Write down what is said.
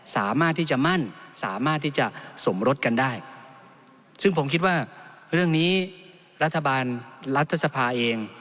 สามารถที่จะมั่นสามารถที่จะสมรสกันได้ซึ่งผมคิดว่าเรื่องนี้รัฐบาลรัฐสภาเอง